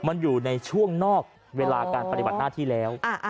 มันอยู่ในช่วงนอกเวลาการปฏิบัติหน้าที่แล้ว